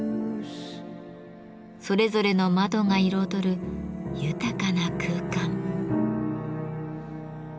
それぞれの窓が彩る豊かな空間。